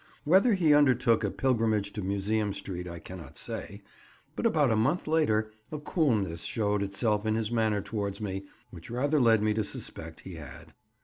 Whether he undertook a pilgrimage to Museum Street I cannot say, but about a month later a coolness showed itself in his manner towards me, which rather led me to suspect he had.